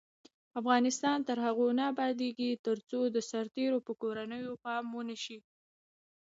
افغانستان تر هغو نه ابادیږي، ترڅو د سرتیرو پر کورنیو پام ونشي.